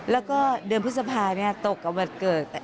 แล้วก็เดือนพฤษภาตกกับวันเกิด